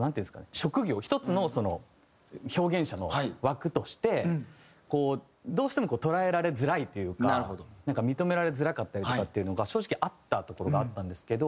職業１つの表現者の枠としてどうしても捉えられづらいというかなんか認められづらかったりとかっていうのが正直あったところがあったんですけど。